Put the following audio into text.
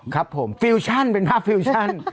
ครับผมฟิวชั่นเป็นภาพฟิวชั่น